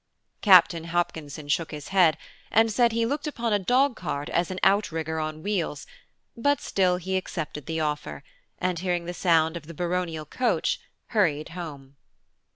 Captain Hopkinson shook his head, and said he looked upon a dog cart as an outrigger on wheels, but still he accepted the offer, and, hearing the sound of the baronial coach, hurried home.